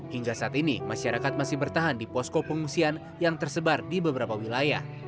hingga saat ini masyarakat masih bertahan di posko pengungsian yang tersebar di beberapa wilayah